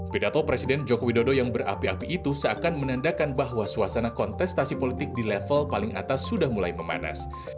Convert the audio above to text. pidato presiden joko widodo yang berapi api itu seakan menandakan bahwa suasana kontestasi politik di level paling atas sudah mulai memanas